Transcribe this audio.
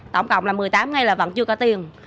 tổng cộng là một mươi tám ngày là vẫn chưa có tiền